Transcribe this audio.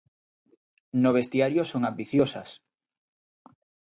No vestiario son ambiciosas.